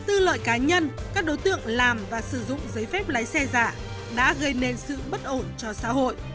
tư lợi cá nhân các đối tượng làm và sử dụng giấy phép lái xe giả đã gây nên sự bất ổn cho xã hội